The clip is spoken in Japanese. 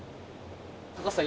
高橋さん